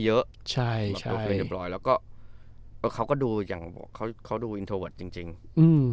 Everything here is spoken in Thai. เยอะใช่ใช่แล้วก็เขาก็ดูอย่างเขาเขาดูจริงจริงอืม